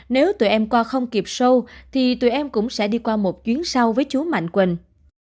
nếu tụi em qua không kịp sâu thì tụi em cũng sẽ đi qua một chuyến sau với chú mạnh quỳnh